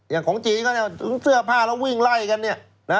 อย่างของจีนก็ถึงเสื้อผ้าแล้ววิ่งไล่กันเนี่ยนะ